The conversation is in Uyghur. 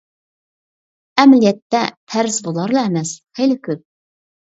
ئەمەلىيەتتە پەرز بۇلارلا ئەمەس، خېلى كۆپ.